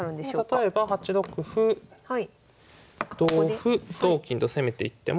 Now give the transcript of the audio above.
例えば８六歩同歩同金と攻めていっても。